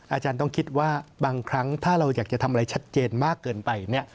อาจารย์ต้องคิดว่าบางครั้งถ้าเราอยากจะทำอะไรชัดเจนมากเกินไปเนี่ย